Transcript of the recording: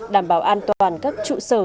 đảm bảo an toàn các trụ sở